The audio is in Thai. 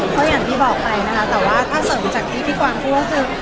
ก็อย่างที่บอกไปนะคะแต่ว่าถ้าเสริมจากที่พี่กวางพูดก็คือ